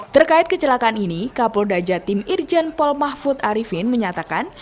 terkait kecelakaan ini kapoldaja tim irjen pol mahfud arifin menyatakan